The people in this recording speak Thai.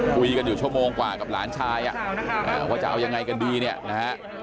คุยกันอยู่ชั่วโมงกว่ากับหลานชายว่าจะเอายังไงกันดีเนี่ยนะฮะ